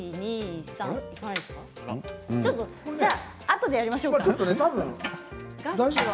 あとでやりましょうか。